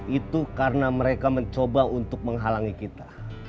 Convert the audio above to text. itu karena mereka mencoba untuk menghalangi kita